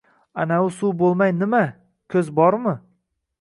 — Anavi suv bo‘lmay, nima? Ko‘z bormi?!